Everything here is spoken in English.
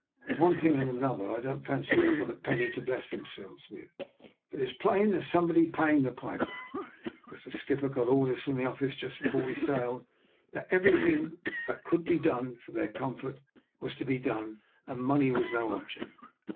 From one thing and another I don't fancy they've got a penny to bless themselves with, but it's plain there's somebody paying the piper, because the sk ip per got orders from the office, just before we sailed, that everything that could be done for their comfort was to be done, and money wis to be no object.